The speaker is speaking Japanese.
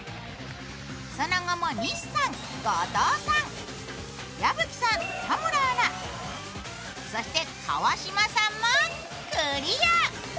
その後も西さん、後藤さん、矢吹さん、田村アナ、そして川島さんもクリア。